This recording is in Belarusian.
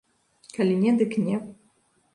Калі не, дык не.